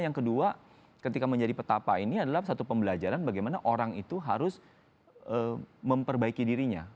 yang kedua ketika menjadi petapa ini adalah satu pembelajaran bagaimana orang itu harus memperbaiki dirinya